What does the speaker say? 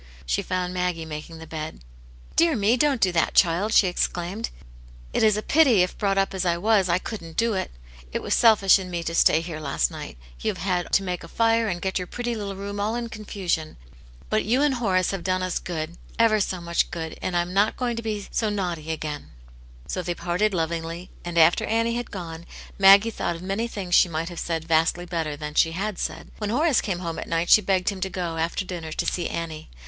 She found Maggie making the bed. " Dear me, don't do that, child !" she exclaimed. " It is a pity, if brought up as I was, I couldn't do it. It was selfish in me to stay here last night ; you've had to make a fire, and get your pretty little room all in confusion. But you and Horace have done us good, ever so much good, and I am not going to be so naughty again." Aunt Janets Hero. 197 So they parted lovingly, and after Annie had gone, Maggie thought of many things she might have said i^astly better than she had said. When Horace came home at night she begged him to go, after dinner, to see Annie.